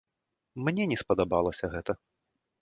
Мне не спадабалася гэта.